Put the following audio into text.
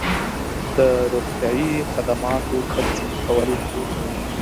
د روغتیایی خدماتو تنظیم کول